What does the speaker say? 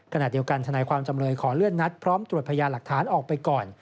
ขณะเดียวกันทนายความจำเลยขอเลื่อนนัดพร้อมตรวจพยาหลักฐานออกไปก่อน